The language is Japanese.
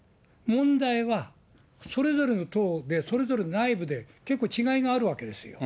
問題はそれぞれの党で、それぞれの内部で、結構違いがあるわけですよ。